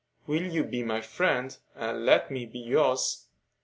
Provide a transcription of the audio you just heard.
Will you be my friend, and let me be yours?"